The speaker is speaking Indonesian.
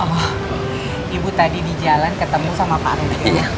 oh ibu tadi di jalan ketemu sama pak arun